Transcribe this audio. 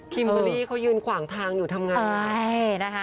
คิมบอลลี่เขายืนขวางทางอยู่ทางไหน